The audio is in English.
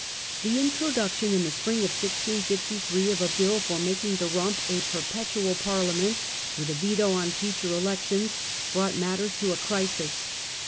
The introduction in the spring of 1653 of a bill for making the "Rump" a per petual Parliament, with a veto on future elections, brought matters to a crisis.